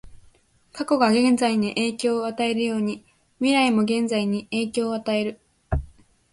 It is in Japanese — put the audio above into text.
過去が現在に影響を与えるように、未来も現在に影響を与える。